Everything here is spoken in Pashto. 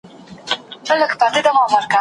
څاڅکي پر کرښو ځغلي